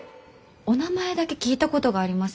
お名前だけ聞いたことがあります。